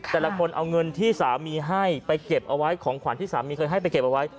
แต่ละคนเอาเงินที่สามีให้ไปเก็บเอาไว้ของขวัญที่สามีเคยให้ไปเก็บเอาไว้